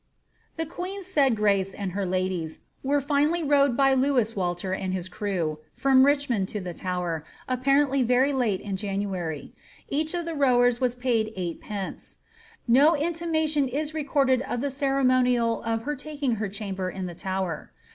^ The queen's said mce and her ladies'' were finally rowed by Lewis Walter and his crew, from Richmond to the Tower, apparently very late in January ; each of the rowers was paid 8d. No intimation is re corded of the ceremonial of her taking her chamber in the Tower.